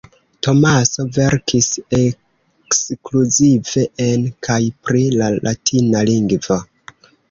Tomaso verkis ekskluzive en kaj pri la latina lingvo.